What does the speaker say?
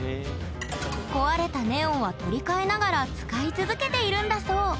壊れたネオンは取り替えながら使い続けているんだそう。